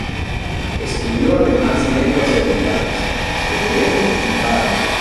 Estudió además lenguas orientales: hebreo y árabe.